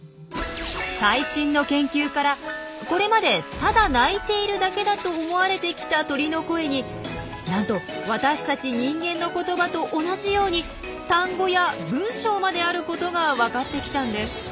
最新の研究からこれまでただ鳴いているだけだと思われてきた鳥の声になんと私たち人間の言葉と同じように単語や文章まであることが分かってきたんです。